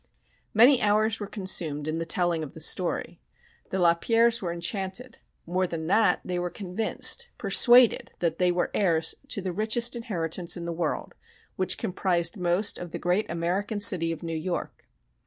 Many hours were consumed in the telling of the story. The Lapierres were enchanted. More than that, they were convinced persuaded that they were heirs to the richest inheritance in the world, which comprised most of the great American city of New York.